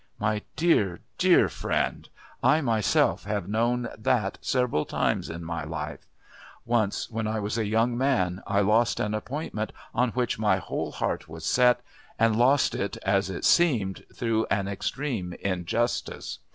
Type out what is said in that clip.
My dear, dear friend, I myself have known that several times in my own life. Once, when I was a young man, I lost an appointment on which my whole heart was set, and lost it, as it seemed, through an extreme injustice.